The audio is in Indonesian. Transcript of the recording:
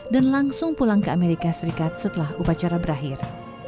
dan langsung pulang ke amerika serikat setelah upacara berakhir